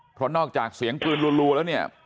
เพราะนอกจากเสียงปืนรัวแล้วเนี่ย